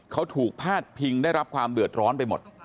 เขาถูกพาดพิงได้รับความเดือดร้อนไปหมด